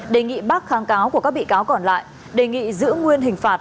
đề nghị bác kháng cáo của các bị cáo còn lại đề nghị giữ nguyên hình phạt